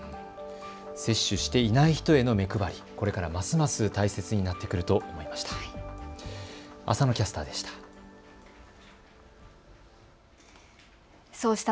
接種していない人への目配り、これからますます大切になってくると思いました。